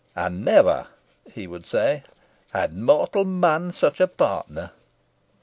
"And never," he would say, "had mortal man such a partner."